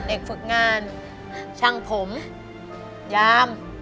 ฝึกงานช่างผมยาม